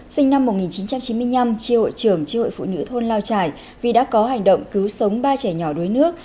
sinh năm một nghìn chín trăm chín mươi năm tri hội trưởng tri hội phụ nữ thôn lao trải vì đã có hành động cứu sống ba trẻ nhỏ đuối nước